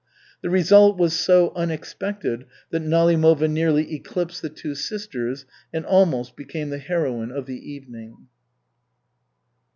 The result was so unexpected that Nalimova nearly eclipsed the two sisters and almost became the heroine of the evening.